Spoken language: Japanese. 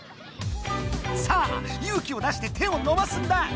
さあ勇気を出して手をのばすんだ！